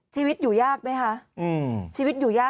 ชีวิตอยู่ยากไหมคะ